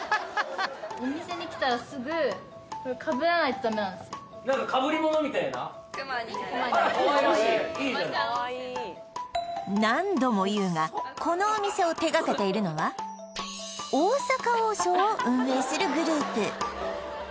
あらかわいらしいいいじゃない何度も言うがこのお店を手がけているのは大阪王将を運営するグループ